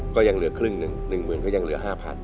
ก็ยังเหลือครึ่งหนึ่ง๑๐๐ก็ยังเหลือ๕๐๐